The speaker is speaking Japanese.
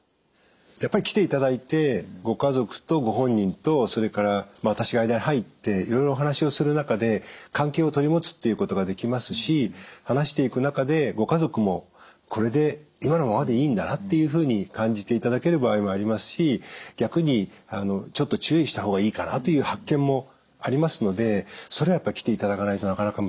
やっぱり来ていただいてご家族とご本人とそれから私が間に入っていろいろお話をする中で関係を取り持つっていうことができますし話していく中でご家族もこれで今のままでいいんだなっていうふうに感じていただける場合もありますし逆にちょっと注意した方がいいかなという発見もありますのでそれはやっぱり来ていただかないとなかなか難しい。